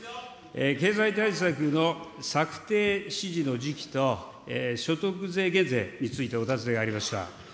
経済対策の策定指示の時期と、所得税減税についてお尋ねがありました。